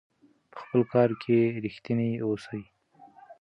په خپل کار کې ریښتیني اوسئ.